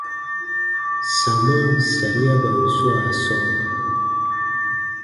Samaan sariaban swaa sɔɔ.